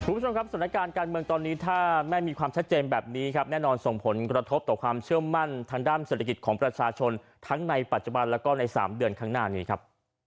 คุณผู้ชมครับสถานการณ์การเมืองตอนนี้ถ้าไม่มีความชัดเจนแบบนี้ครับแน่นอนส่งผลกระทบต่อความเชื่อมั่นทางด้านเศรษฐกิจของประชาชนทั้งในปัจจุบันแล้วก็ใน๓เดือนข้างหน้านี้ครับ